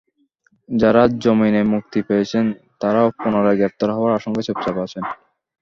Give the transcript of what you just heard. যাঁরা জামিনে মুক্তি পেয়েছেন, তাঁরাও পুনরায় গ্রেপ্তার হওয়ার আশঙ্কায় চুপচাপ আছেন।